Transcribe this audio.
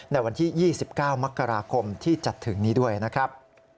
ในวันที่๒๙มกราคมที่จะถึงนี้ด้วยนะครับ